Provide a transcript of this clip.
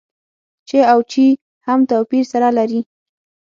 چې او چي هم توپير سره لري.